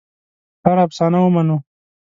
هره افسانه ومنو.